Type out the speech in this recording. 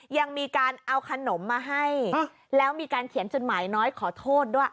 ยังมีการเอาขนมมาให้แล้วมีการเขียนจดหมายน้อยขอโทษด้วย